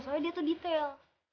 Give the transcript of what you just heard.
soalnya dia tuh detail